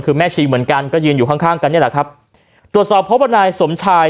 คือแม่ชีเหมือนกันก็ยืนอยู่ข้างข้างกันนี่แหละครับตรวจสอบพบว่านายสมชาย